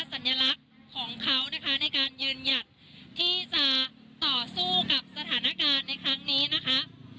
สัญลักษณ์ของเขานะคะในการยืนหยัดที่จะต่อสู้กับสถานการณ์ในครั้งนี้นะคะ